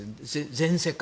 全世界。